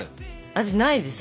私ないです。